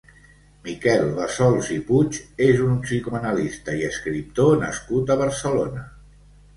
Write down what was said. Miquel Bassols i Puig és un psicoanalista i escriptor nascut a Barcelona.